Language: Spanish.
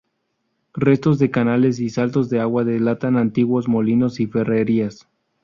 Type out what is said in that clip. Restos de canales y saltos de agua delatan antiguos molinos y ferrerías.